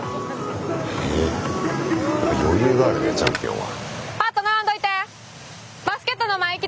余裕があるねチャンピオンは。